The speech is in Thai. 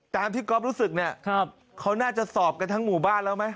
ตามที่ก๊อฟรู้สึกเนี่ยเขาน่าจะสอบกันทั้งหมู่บ้านแล้วไหม